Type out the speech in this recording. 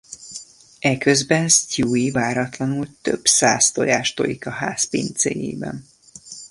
Eközben Stewie váratlanul több száz tojást tojik a ház pincéjében.